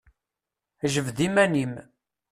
Jbed iman-im!